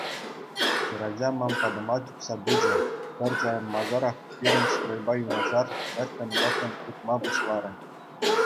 Хӗрача ман патӑма чупса пычӗ, пӗр чарӑнмасӑрах пирӗн стройпа юнашар вӗттен-вӗттӗн утма пуҫларӗ.